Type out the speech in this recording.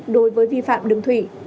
đối với vi phạm đường thủy